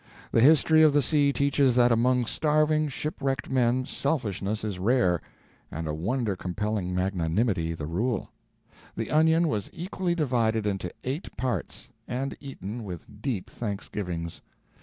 The history of the sea teaches that among starving, shipwrecked men selfishness is rare, and a wonder compelling magnanimity the rule. The onion was equally divided into eight parts, and eaten with deep thanksgivings.